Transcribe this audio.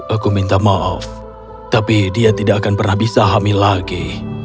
aku minta maaf tapi dia tidak akan pernah bisa hamil lagi